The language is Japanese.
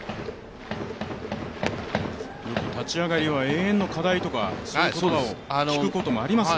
立ち上がりは永遠の課題という言葉を聞くことがありますが。